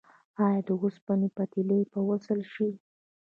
آیا د اوسپنې پټلۍ به وصل شي؟